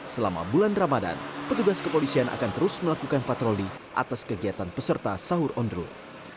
selama bulan ramadan petugas kepolisian akan terus melakukan patroli atas kegiatan peserta sahur on road